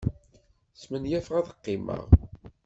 Smenyafeɣ ad qqimeɣ.